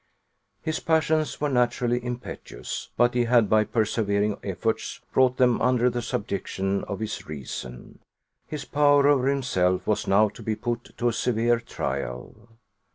His passions were naturally impetuous, but he had by persevering efforts brought them under the subjection of his reason. His power over himself was now to be put to a severe trial.